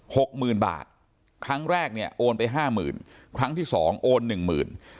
๖หมื่นบาทครั้งแรกเนี่ยโอนไป๕หมื่นครั้งที่๒โอน๑หมื่น